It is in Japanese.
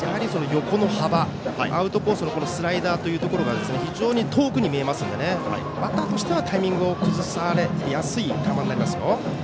横の幅アウトコースのスライダーというところが非常に遠くに見えますのでバッターとしてはタイミングを崩されやすい球になりますよ。